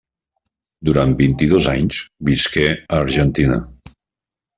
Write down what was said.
Durant vint-i-dos anys visqué a Argentina.